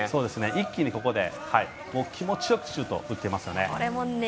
一気にここで気持ちよくシュートを打っていますよね。